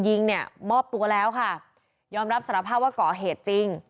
ยิงเนี่ยมอบตัวแล้วค่ะยอมรับสารภาพว่าก่อเหตุจริง